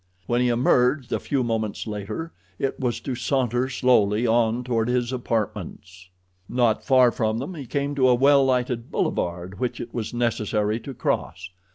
When he emerged a few moments later it was to saunter slowly on toward his apartments. Not far from them he came to a well lighted boulevard which it was necessary to cross.